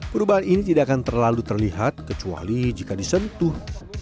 perubahan ini tidak akan terlalu terlihat kecuali jika disentuh